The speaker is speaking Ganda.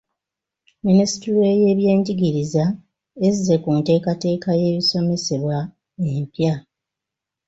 Minisitule y'ebyenjigiriza ezze ku nteekateeka y'ebisomesebwa empya.